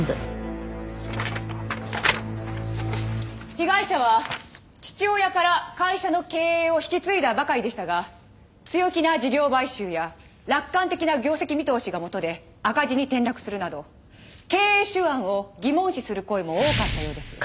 被害者は父親から会社の経営を引き継いだばかりでしたが強気な事業買収や楽観的な業績見通しが元で赤字に転落するなど経営手腕を疑問視する声も多かったようです。